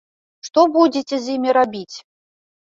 Што будзеце з імі рабіць?